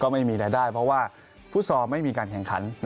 ไม่มีรายได้เพราะว่าฟุตซอลไม่มีการแข่งขัน